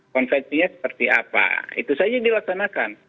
konsepsinya seperti apa itu saja yang dilaksanakan